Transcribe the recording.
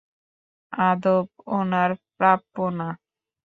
আদব ওনার প্রাপ্য না।